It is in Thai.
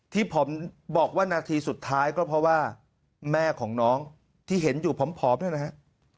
ที่ผมบอกว่านาทีสุดท้ายก็เพราะว่าแม่ของน้องที่เห็นอยู่ผอมเนี่ยนะครับ